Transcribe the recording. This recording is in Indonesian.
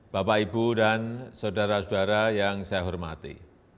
bapak ibu dan saudara saudara yang saya hormati